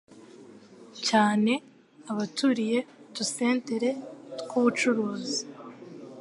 cyane abaturiye udusentere tw'ubucuruzi